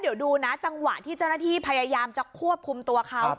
เดี๋ยวดูนะจังหวะที่เจ้าหน้าที่พยายามจะควบคุมตัวเขา